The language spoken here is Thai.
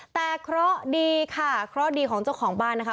แต่เคราะห์ดีค่ะเคราะห์ดีของเจ้าของบ้านนะคะ